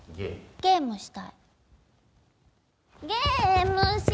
ゲームしたい！